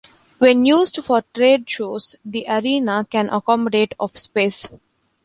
When used for trade shows the arena can accommodate of space.